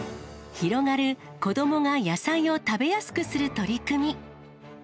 広がる子どもが野菜を食べやすくする取り組み。